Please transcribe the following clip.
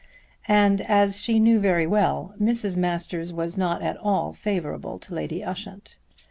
And, as she knew very well, Mrs. Masters was not at all favourable to Lady Ushant.